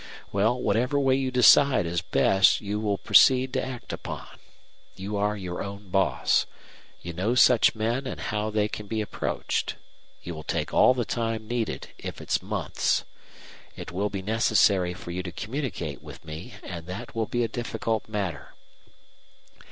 Well, whatever way you decide is best you will proceed to act upon. You are your own boss. You know such men and how they can be approached. You will take all the time needed, if it's months. It will be necessary for you to communicate with me, and that will be a difficult matter.